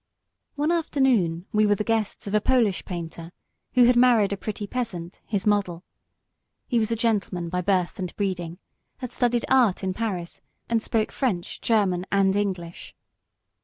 One afternoon we were the guests of a Polish painter, who had married a pretty peasant, his model. He was a gentleman by birth and breeding, had studied art in Paris and spoke French, German and English.